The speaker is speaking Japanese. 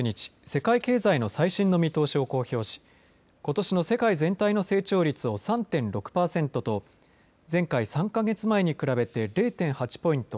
世界経済の最新の見通しを公表しことしの世界全体の成長率を３．６パーセントと前回３か月前に比べて０．８ポイント